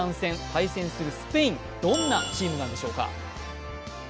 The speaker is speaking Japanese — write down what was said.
対戦するスペイン、どんなチームなんでしょうか。